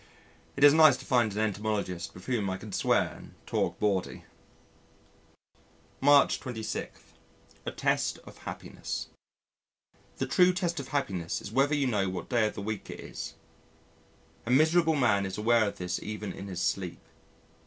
It is nice to find an entomologist with whom I can swear and talk bawdy. March 26. A Test of Happiness The true test of happiness is whether you know what day of the week it is. A miserable man is aware of this even in his sleep.